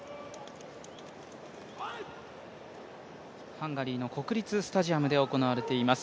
ハンガリーの国立スタジアムで行われています